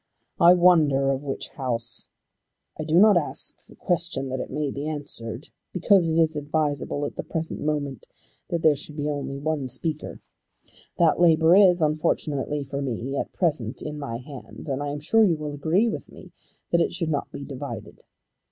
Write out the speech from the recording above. "I wonder of which house. I do not ask the question that it may be answered, because it is advisable at the present moment that there should be only one speaker. That labour is, unfortunately for me, at present in my hands, and I am sure you will agree with me that it should not be divided.